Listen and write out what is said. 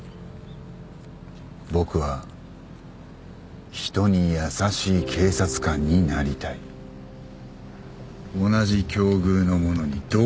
「僕は人に優しい警察官になりたい」同じ境遇の者に同情する。